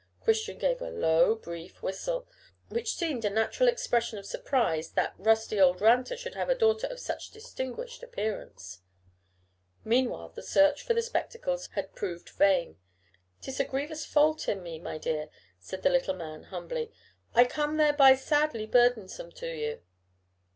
Christian gave a low brief whistle, which seemed a natural expression of surprise that "the rusty old ranter" should have a daughter of such distinguished appearance. Meanwhile the search for the spectacles had proved vain. "'Tis a grievous fault in me, my dear," said the little man, humbly; "I become thereby sadly burdensome to you."